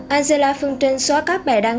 angela phương trinh xóa các bài đăng